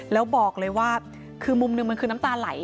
แล้วบอกเลยว่าคือมุมหนึ่งมันคือน้ำตาไหล